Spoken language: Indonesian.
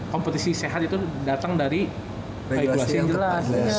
kompetisi sehat itu datang dari regulasi yang jelas